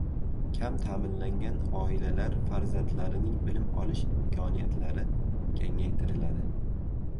Kam ta’minlangan oilalar farzandlarining bilim olish imkoniyatlari kengaytiriladi